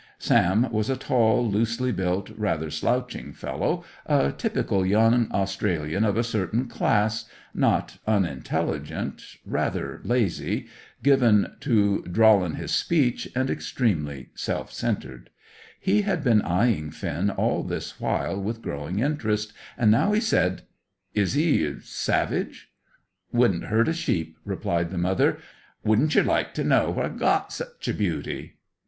Sam was a tall, loosely built, rather slouching fellow; a typical young Australian of a certain class; not unintelligent, rather lazy, given to drawl in his speech, and extremely self centred. He had been eyeing Finn all this while with growing interest, and now he said "Is he savage?" "Wouldn't hurt a sheep," replied the mother. "Wouldn't yer like to know where I got such a beauty?"